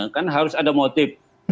kan harus ada motif